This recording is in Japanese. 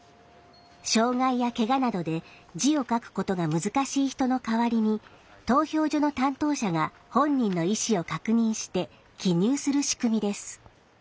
障害やけがなどで字を書くことが難しい人の代わりに投票所の担当者が本人の意思を確認して記入する仕組みです。